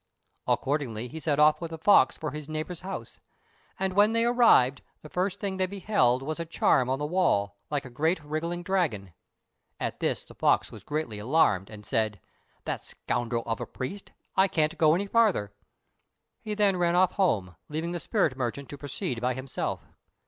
Accordingly he set off with the fox for his neighbour's house; and, when they arrived, the first thing they beheld was a charm on the wall, like a great wriggling dragon. At this the fox was greatly alarmed, and said, "That scoundrel of a priest! I can't go any farther." He then ran off home, leaving the spirit merchant to proceed by himself.